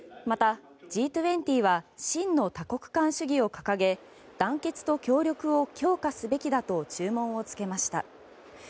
また、Ｇ２０は真の多国間主義を掲げ団結と協力を強化すべきだと注文をつけました。